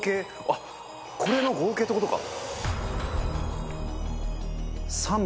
あっこれの合計ってことか。